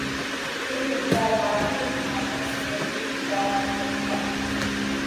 یہ خطہ بھارتی مسلمانوں کی تہذیب کا مرکز تھا۔